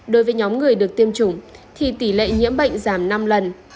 đối với nhóm người được tiêm chủng thì tỷ lệ nhiễm bệnh giảm năm lần